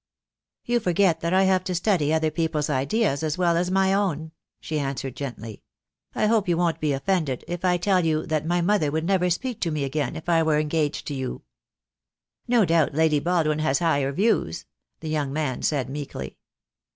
"You forget that I have to study other people's ideas as well as my own," she answered gently. "I hope you won't be offended if I tell you that my mother would never speak to me again if I were engaged to you." "No doubt Lady Baldwin has higher views," the young man said meekly.